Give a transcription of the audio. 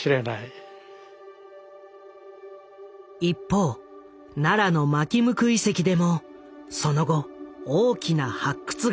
一方奈良の纒向遺跡でもその後大きな発掘があった。